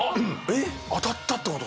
当たったってこと？